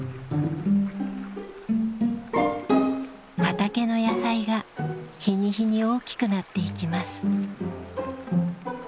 畑の野菜が日に日に大きくなっていきます。